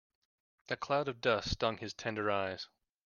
A cloud of dust stung his tender eyes.